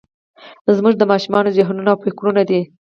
زموږ د ماشومانو ذهنونه او فکرونه دي.